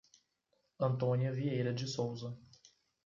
Antônia Vieira de Souza